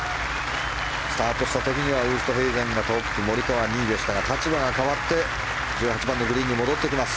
スタートした時にはウーストヘイゼンがトップモリカワ、２位でしたが立場が変わって１８番のグリーンに戻ってきます。